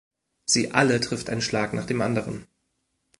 Sie alle trifft ein Schlag nach dem anderen.